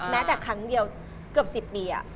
แม้แต่ครั้งเดียวเกือบ๑๐ปี